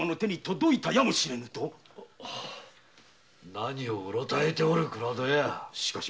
何をうろたえておる倉戸屋。